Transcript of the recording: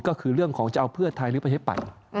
ก็คือเรื่องของจะเอาเพื่อไทยหรือประชาธิปัตย์